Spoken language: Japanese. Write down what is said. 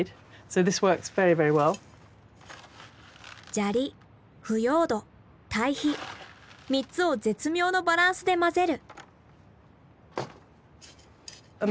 砂利腐葉土堆肥３つを絶妙のバランスで混ぜる。